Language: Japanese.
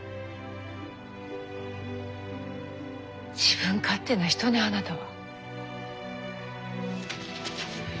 自分勝手な人ねあなたは。